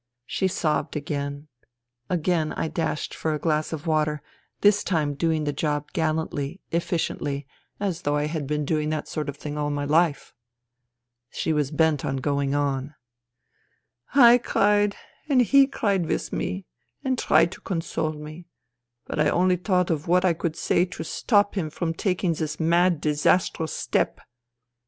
She sobbed again. Again I dashed for a glass of water, this time doing the job gallantly, efficiently, as though I had been doing that sort of thing all my life. She was bent on going on. " I cried and he cried with me and tried to console me, but I only thought of what I could say to stop him from taking this mad, disastrous step.